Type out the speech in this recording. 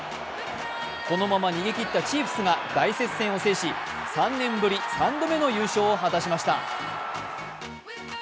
このまま逃げ切ったチーフスが大接戦を制し３年ぶり３度目の優勝を果たしました。